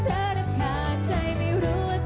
จัดไปเลยคุณผู้ชม